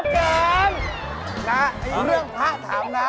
น้ายเรื่องพระทำนะ